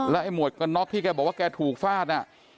ไอ้หมวกกันน็อกที่แกบอกว่าแกถูกฟาดน่ะ